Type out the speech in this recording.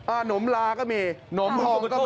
อ่าขนมลาก็มีขนมพองก็มี